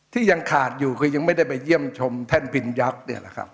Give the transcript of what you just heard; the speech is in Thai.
ที่ยังขาดอยู่คือยังไม่ได้ไปเยี่ยมชมแท่นพิณยักษ์